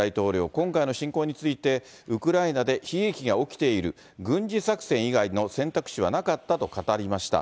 今回の侵攻について、ウクライナで悲劇が起きている、軍事作戦以外の選択肢はなかったと語りました。